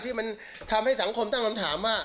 ที่มันทำให้สังคมตั้งคำถามว่า